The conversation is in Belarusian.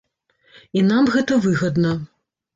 І нам гэта выгадна.